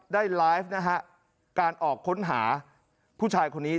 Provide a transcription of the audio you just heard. ได้ไลฟ์นะฮะการออกค้นหาผู้ชายคนนี้